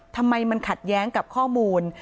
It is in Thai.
ทำไมมันขัดแย้งกับข้อมูล